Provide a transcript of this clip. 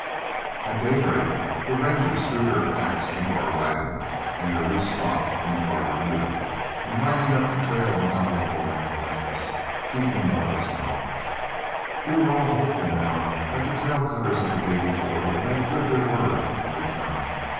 At daybreak the Rangers threw their packs into our wagon and their loose stock into our remuda, and riding up the trail a mile or more, left us, keeping well out of sight. We were all hopeful now that the trail cutters of the day before would make good their word and return.